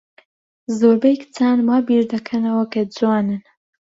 زۆربەی کچان وا بیردەکەنەوە کە جوانن.